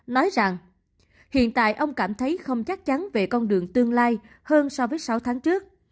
nói rằng hiện tại ông cảm thấy không chắc chắn về con đường tương lai hơn so với sáu tháng trước